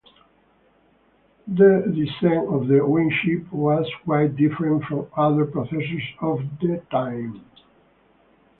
The design of the WinChip was quite different from other processors of the time.